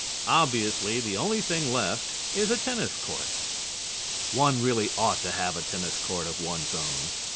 Obviously, the only thing left is a tennis court. One really ought to have a tennis court of one's own.